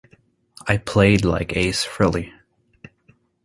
I played like Ace Frehley.